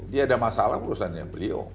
dia ada masalah perusahaannya